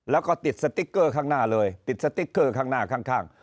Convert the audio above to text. แล้วก็ติดสติ๊กเกอร์ข้างหน้าเลยติดสติ๊กเกอร์ข้างหน้าข้าง